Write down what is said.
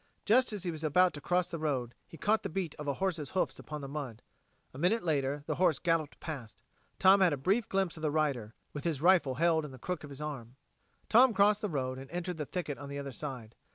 Just as he was about to cross the road, he caught the beat of a horse's hoofs upon the mud. A minute later the horse galloped past; Tom had a brief glimpse of the rider, with his rifle held in the crook of his arm. Tom crossed the road and entered the thicket on the other side.